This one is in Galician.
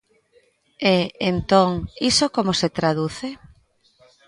E, entón, ¿iso como se traduce?